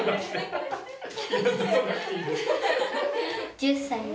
１０歳。